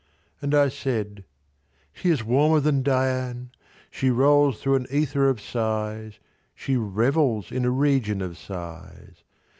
And I said—"She is warmer than Dian: She rolls through an ether of sighs— She revels in a region of sighs.